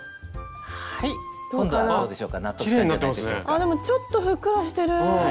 あっでもちょっとふっくらしてる。